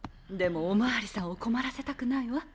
でもお巡りさんを困らせたくないわ。